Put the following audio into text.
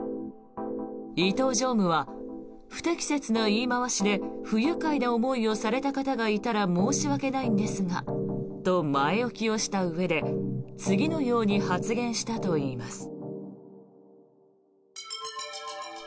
伊東常務は、不適切な言い回しで不愉快な思いをされた方がいたら申し訳ないんですがと前置きをしたうえで次のように発言したといいます。